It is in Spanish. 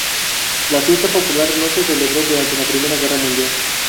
La fiesta popular no se celebró durante la Primera Guerra Mundial.